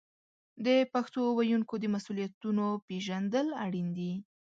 د پښتو ویونکو د مسوولیتونو پیژندل اړین دي.